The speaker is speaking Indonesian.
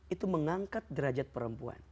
itu mengangkat derajat perempuan